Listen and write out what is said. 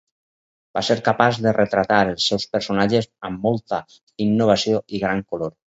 Va ser capaç de retratar els seus personatges amb molta innovació i gran color.